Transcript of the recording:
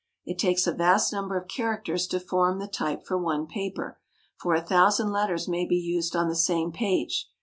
It takes a vast number of characters to form the type for one paper ; for a thousand letters may be used on the same page.